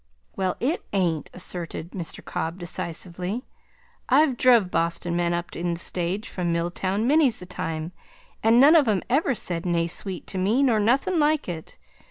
"Well, it ain't!" asserted Mr. Cobb decisively. "I've druv Boston men up in the stage from Milltown many's the time, and none of em ever said Naysweet to me, nor nothin'like it.